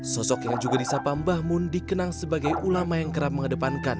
sosok yang juga disapam bahmun dikenal sebagai ulama yang kerap mengedepankan